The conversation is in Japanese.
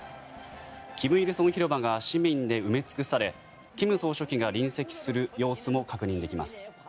金日成広場が市民で埋め尽くされ金総書記が臨席する様子も確認できます。